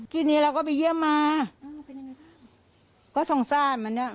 กินเนี่ยเราก็ไปเยี่ยมมาก็สงสารมันเนี่ย